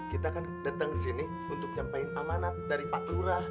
kan dateng kesini untuk nyampein amanat dari pak lura